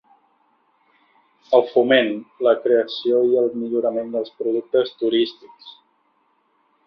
El foment, la creació i el millorament dels productes turístics.